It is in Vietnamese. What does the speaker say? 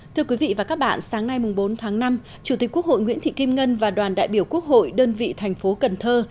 thưa quý vị và các bạn sáng nay bốn tháng năm chủ tịch quốc hội nguyễn thị kim ngân và đoàn đại biểu quốc hội đơn vị thành phố cần thơ